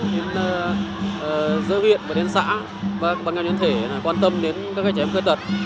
đến giữa huyện và đến xã và bằng nhau nhân thể là quan tâm đến các trẻ em khuyết tật